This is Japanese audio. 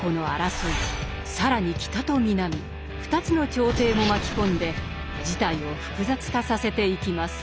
更に北と南２つの朝廷も巻き込んで事態を複雑化させていきます。